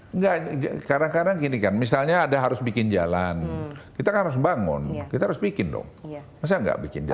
enggak kadang kadang gini kan misalnya ada harus bikin jalan kita kan harus bangun kita harus bikin dong masa nggak bikin jalan